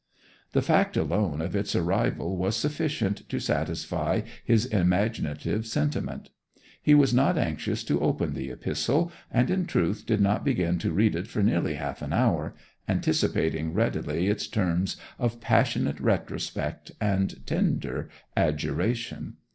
The fact alone of its arrival was sufficient to satisfy his imaginative sentiment. He was not anxious to open the epistle, and in truth did not begin to read it for nearly half an hour, anticipating readily its terms of passionate retrospect and tender adjuration.